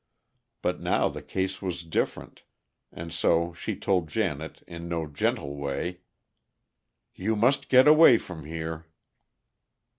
But now the case was different, and so she told Janet in no gentle way: "You must get away from here."